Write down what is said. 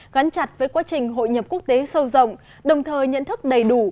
gắn chặt với quá trình hội nhập quốc tế sâu rộng đồng thời nhận thức đầy đủ